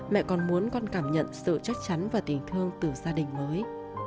mẹ còn muốn con cảm nhận sự chắc chắn và tình thương từ gia đình mới